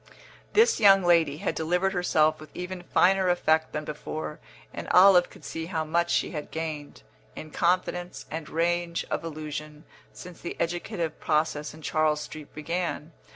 This young lady had delivered herself with even finer effect than before, and Olive could see how much she had gained, in confidence and range of allusion, since the educative process in Charles Street began.